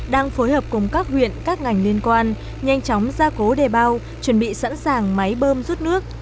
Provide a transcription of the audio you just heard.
đang phối hợp cùng các huyện các ngành liên quan nhanh chóng ra cố đề bao chuẩn bị sẵn sàng máy bơm rút nước